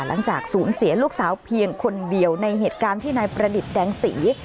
หลังจากศูนย์เสียลูกสาวเพียงคนเดียวในเหตุการณ์ที่นายประดิษฐ์แดงศรี